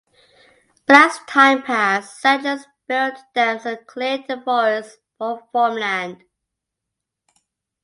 But as time passed, settlers built dams and cleared the forests for farmland.